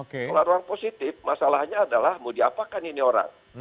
kalau ruang positif masalahnya adalah mau diapakan ini orang